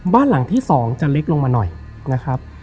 บ้านหลังที่๒จะเล็กลงมาหน่อยนะครับ